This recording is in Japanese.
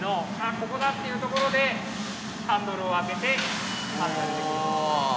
ここだっていうところでハンドルを開けておおっ！